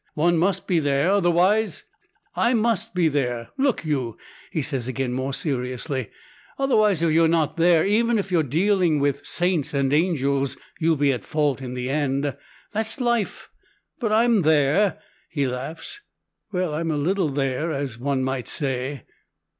One must be there. Otherwise I must be there, look you," he says again more seriously; "otherwise, if you're not there, even if you're dealing with saints and angels, you'll be at fault in the end. That's life. But I am there." He laughs. "Well, I'm a little there, as one might say!"